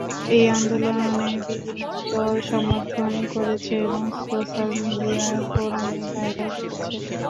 এই আন্দোলনকে বিভিন্ন দল সমর্থন করেছে এবং সোশ্যাল মিডিয়া ফোরামে ভাইরাল হয়েছে।